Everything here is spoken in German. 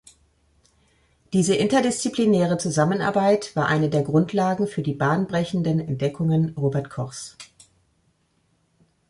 Diese interdisziplinäre Zusammenarbeit war eine der Grundlagen für die bahnbrechenden Entdeckungen Robert Kochs.